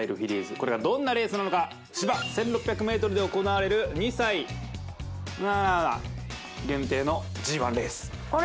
これがどんなレースなのか芝１６００ｍで行われる２歳ホニャララ限定のＧⅠレースあれ？